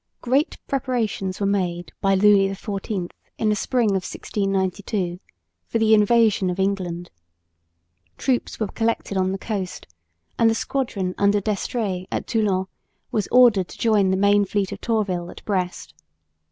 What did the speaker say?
Great preparations were made by Louis XIV in the spring of 1692 for the invasion of England. Troops were collected on the coast, and the squadron under D'Estrées at Toulon was ordered to join the main fleet of Tourville at Brest.